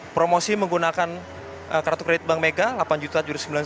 promosi menggunakan kartu kredit bank mega delapan juta juri sembilan puluh sembilan